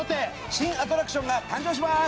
新アトラクションが誕生します。